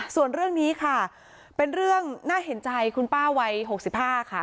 ส่วนเรื่องนี้ค่ะเป็นเรื่องน่าเห็นใจคุณป้าวัย๖๕ค่ะ